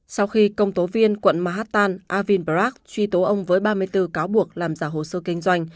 sau khi công tố viên quận manhattan arvin barak truy tố ông với ba mươi bốn cáo buộc làm giả hồ sơ kinh doanh